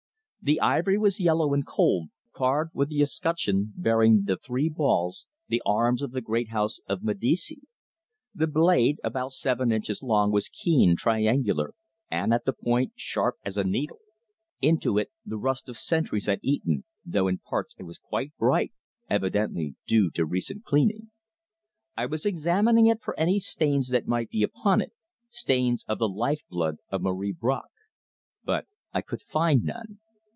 The ivory was yellow and old, carved with the escutcheon bearing the three balls, the arms of the great House of Medici. The blade, about seven inches long, was keen, triangular, and, at the point, sharp as a needle. Into it the rust of centuries had eaten, though in parts it was quite bright, evidently due to recent cleaning. I was examining it for any stains that might be upon it stains of the life blood of Marie Bracq. But I could find none.